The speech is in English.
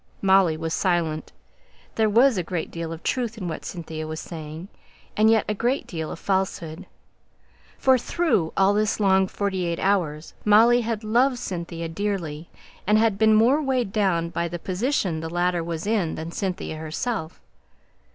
Molly was silent. There was a great deal of truth in what Cynthia was saying: and yet a great deal of falsehood. For, through all this long forty eight hours, Molly had loved Cynthia dearly; and had been more weighed down by the position the latter was in than Cynthia herself.